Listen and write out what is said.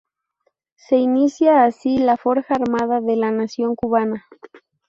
Se inicia así la forja armada de la nación cubana.